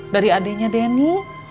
dari adenya denny